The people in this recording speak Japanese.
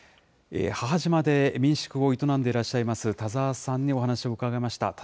母島で民宿を営んでいらっしゃいます、田澤さんにお話を伺いました。